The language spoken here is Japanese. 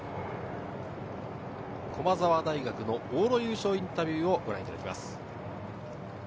駒澤大学の往路優勝インタビューをご覧いただきます。